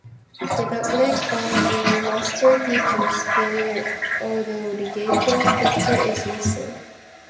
The booklet on the remaster features the lyrics, although the gatefold picture is missing.